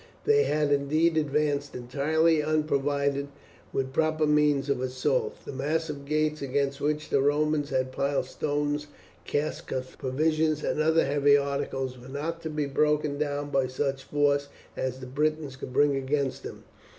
They had indeed advanced entirely unprovided with proper means of assault. The massive gates against which the Romans had piled stones, casks of provisions, and other heavy articles were not to be broken down by such force as the Britons could bring against them.